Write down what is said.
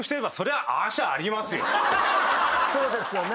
そうですよね。